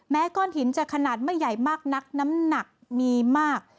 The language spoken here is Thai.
ก้อนหินจะขนาดไม่ใหญ่มากนักน้ำหนักมีมาก